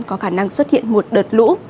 có khả năng xuất hiện một đợt lũ